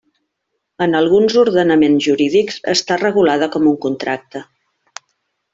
En alguns ordenaments jurídics està regulada com un contracte.